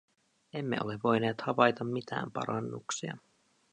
Emme ole voineet havaita mitään parannuksia.